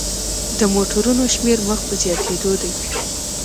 د موټرونو شمیر مخ په زیاتیدو دی.